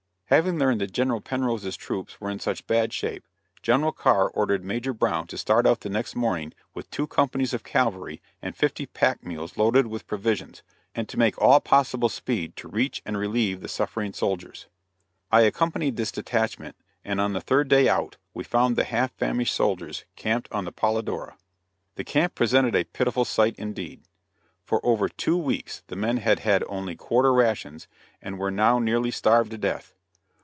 Having learned that General Penrose's troops were in such bad shape, General Carr ordered Major Brown to start out the next morning with two companies of cavalry and fifty pack mules loaded with provisions, and to make all possible speed to reach and relieve the suffering soldiers. I accompanied this detachment, and on the third day out we found the half famished soldiers camped on the Polladora. The camp presented a pitiful sight, indeed. For over two weeks the men had had only quarter rations, and were now nearly starved to death.